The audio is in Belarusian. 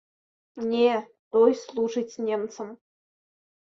Не, той служыць немцам.